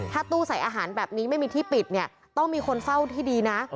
ถ้าตู้ใส่อาหารแบบนี้ไม่มีที่ปิดเนี่ยต้องมีคนเฝ้าที่ดีนะ